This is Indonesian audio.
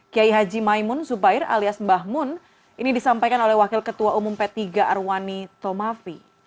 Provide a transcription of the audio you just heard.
kiai haji maimun zubair alias mbah mun ini disampaikan oleh wakil ketua umum p tiga arwani tomafi